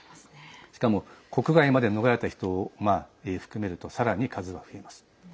しかも国外まで逃れた人を含めるとさらに人数は増えます。